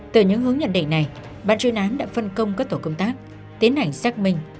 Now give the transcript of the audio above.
từ những hướng nhận định này ban chuyên án đã phân công các tổ công tác tiến hành xác minh